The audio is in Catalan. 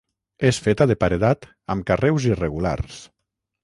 És feta de paredat amb carreus irregulars.